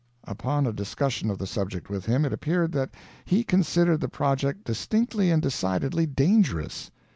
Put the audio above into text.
Upon a discussion of the subject with him, it appeared that he considered the project distinctly and decidedly dangerous.